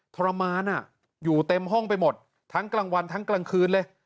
ทรมานอยู่เต็มห้องไปหมดทั้งกลางวันทั้งกลางคืนเลย